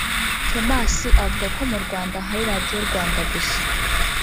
Thomas avuga ko mu Rwanda hari radiyo Rwanda gusa